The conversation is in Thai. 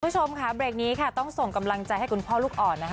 คุณผู้ชมค่ะเบรกนี้ค่ะต้องส่งกำลังใจให้คุณพ่อลูกอ่อนนะคะ